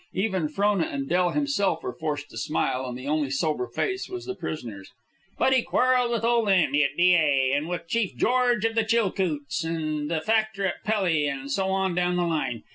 Even Frona and Del himself were forced to smile, and the only sober face was the prisoner's. "But he quarrelled with Old Andy at Dyea, and with Chief George of the Chilcoots, and the Factor at Pelly, and so on down the line.